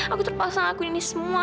aku terpaksa ngakuin ini semua